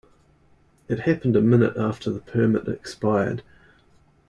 It happened a minute after the permit expired.